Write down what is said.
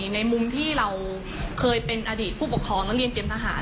ในมุมที่เราเคยเป็นอดีตผู้ปกครองนักเรียนเตรียมทหาร